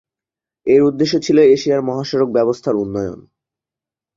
এর উদ্দেশ্য ছিল এশিয়ার মহাসড়ক ব্যবস্থার উন্নয়ন।